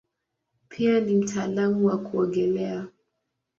Pia ni mtaalamu wa kuogelea.